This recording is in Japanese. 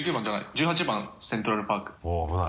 １８番「セントラルパーク」おぉ危ない。